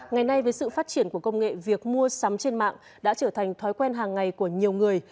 ngày nay với sự phát triển của công nghệ việc mua sắm trên mạng đã trở thành thói quen hàng ngày của nhiều người